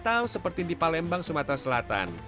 atau seperti di palembang sumatera selatan